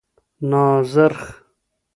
نازرخ